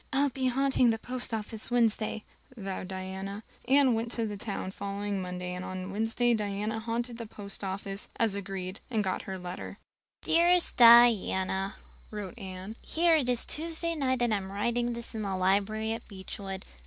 "I'll be haunting the post office Wednesday," vowed Diana. Anne went to town the following Monday and on Wednesday Diana haunted the post office, as agreed, and got her letter. "Dearest Diana" [wrote Anne], "Here it is Tuesday night and I'm writing this in the library at Beechwood.